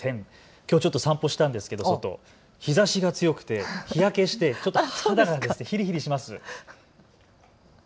きょうちょっと散歩したんですけど、外、日ざしが強くて、日焼けしてちょっと肌がひりひりします。